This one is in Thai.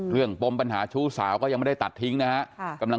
เรื่องปมปัญหาชูสาวก็ยังไม่ได้ตัดทิ้งนะฮะ